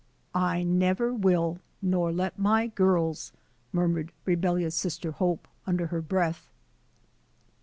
" I never will, nor let my girls," murmured re bellious Sister Hope, under her breath.